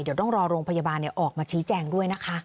เดี๋ยวต้องรอโรงพยาบาลออกมาชี้แจงด้วยนะคะ